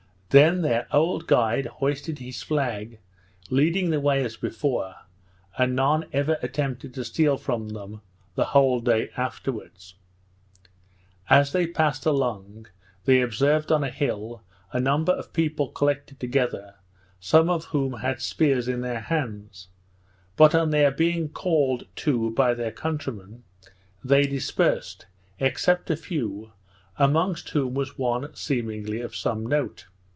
Then their old guide hoisted his flag, leading the way as before, and none ever attempted to steal from them the whole day afterwards. As they passed along, they observed on a hill a number of people collected together, some of whom had spears in their hands; but on their being called to by their countrymen, they dispersed, except a few, amongst whom was one seemingly of some note.